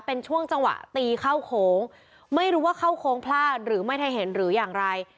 เป็นช่วงจังหวะตีเข้าโค้งไม่รู้ว่าเข้าโค้งพลาดหรือไม่ทันเห็นหรืออย่างไร